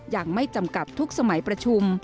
ยังไม่จำกัดทุกสมัยประชุม